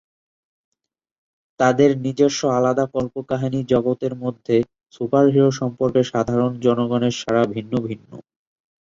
তাদের নিজস্ব আলাদা কল্পকাহিনী জগৎ এর মধ্যে, সুপারহিরো সম্পর্কে সাধারণ জনগণের সাড়া ভিন্ন ভিন্ন।